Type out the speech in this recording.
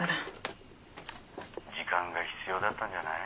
時間が必要だったんじゃない？